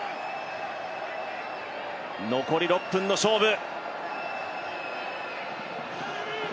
残り６分の勝負。